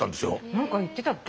何か言ってたっけ？